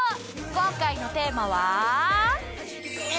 今回のテーマは。